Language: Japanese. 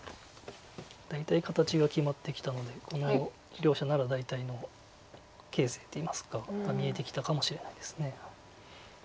大体形が決まってきたので両者なら大体の形勢っていいますかが見えてきたかもしれないです。